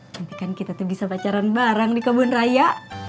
nantikan kita tuh bisa pacaran bareng di kebun raya